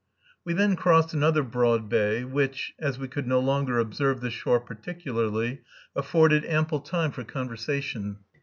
We then crossed another broad bay, which, as we could no longer observe the shore particularly, afforded ample time for conversation.